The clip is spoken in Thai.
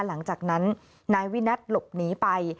หลังจากนั้นนายวินัทหลบหนีไป